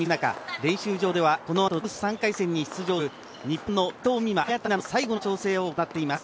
練習場では、このあとダブルス３回戦に出場する日本の伊藤美誠、早田ひなの最後の調整を行っています。